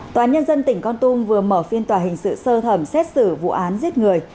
tòa nhân dân tỉnh con tum vừa mở phiên tòa hình sự sơ thẩm xét xử vụ án giết người